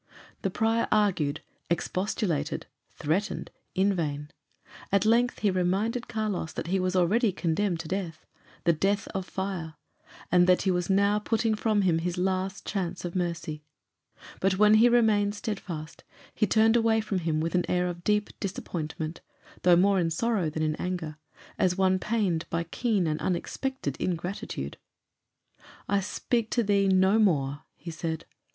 The prior argued, expostulated, threatened in vain. At length he reminded Carlos that he was already condemned to death the death of fire; and that he was now putting from him his last chance of mercy. But when he still remained steadfast, he turned away from him with an air of deep disappointment, though more in sorrow than in anger, as one pained by keen and unexpected ingratitude. "I speak to thee no more," he said.